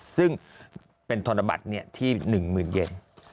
ซึ่งเป็นธนบัตรที่๑หมื่นเย็น